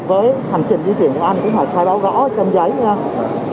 cộng với hành trình di chuyển của anh